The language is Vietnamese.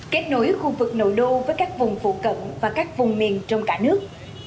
kết nối khu vực nội đô với các vùng phụ cận và các vùng miền trong cả nước